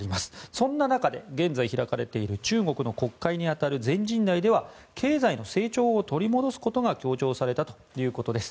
そんな中で現在開かれている中国の国会に当たる全人代では経済の成長を取り戻すことが強調されたということです。